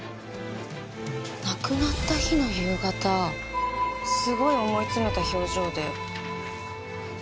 亡くなった日の夕方すごい思い詰めた表情で。